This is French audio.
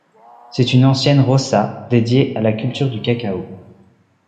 C'est une ancienne roça, dédiée à la culture du cacao.